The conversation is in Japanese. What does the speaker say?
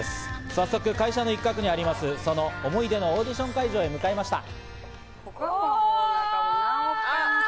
早速、会社の一角にあります、その思い出のオーディション会場へ向かいました。